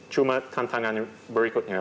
cuma tantangan berikutnya